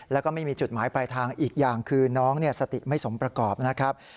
แล้วก็ไม่มีจุดหมายปลายทางอีกอย่างคือน้องสติไม่สมประกอบนะครับ